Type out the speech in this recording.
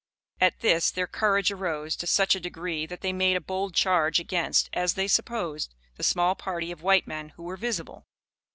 At this their courage arose, to such a degree, that they made a bold charge against, as they supposed, the small party of white men who were visible.